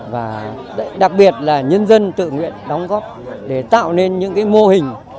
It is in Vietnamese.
và đặc biệt là nhân dân tự nguyện đóng góp để tạo nên những mô hình